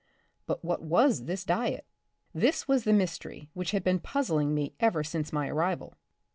But what was this diet? This was the mystery which had been puzzling me ever since my arrival.